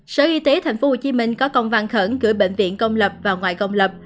sở y tế tp hcm có công văn khẩn gửi bệnh viện công lập và ngoài công lập